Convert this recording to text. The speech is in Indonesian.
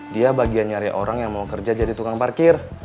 dia bagian nyari orang yang mau kerja jadi tukang parkir